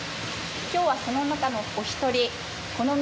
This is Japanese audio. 今日はその中のお一人この道